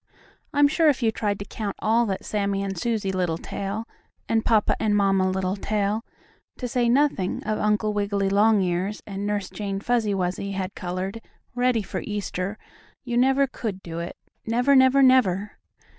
I'm sure if you tried to count all that Sammie and Susie Littletail, and Papa and Mamma Littletail, to say nothing of Uncle Wiggily Longears and Nurse Jane Fuzzy Wuzzy had colored, ready for Easter, you never could do it, never, never, never!